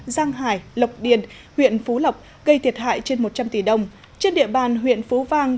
giang hải lộc điền huyện phú lộc gây thiệt hại trên một trăm linh tỷ đồng trên địa bàn huyện phú vang